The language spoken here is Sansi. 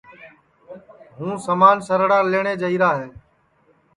ہوں سمان سَرڑا لئٹؔے جائیرا ہے